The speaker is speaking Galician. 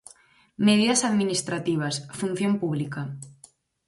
Medidas administrativas, función pública.